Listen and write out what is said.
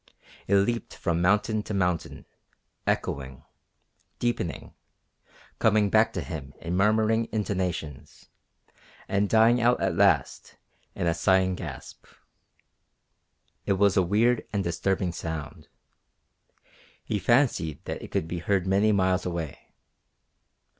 It leaped from mountain to mountain, echoing, deepening, coming back to him in murmuring intonations, and dying out at last in a sighing gasp. It was a weird and disturbing sound. He fancied that it could be heard many miles away.